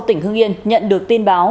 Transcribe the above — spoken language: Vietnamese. tỉnh hương yên nhận được tin báo